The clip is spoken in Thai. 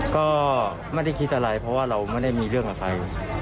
ก็ไม่ได้คิดอะไรเพราะว่าเราไม่ได้มีเรื่องอะไร